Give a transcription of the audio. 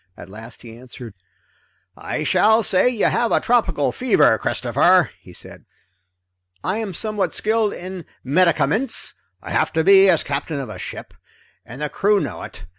At last he answered. "I shall say you have a tropical fever, Christopher," he said. "I am somewhat skilled in medicaments I have to be, as captain of a ship, and the crew know it.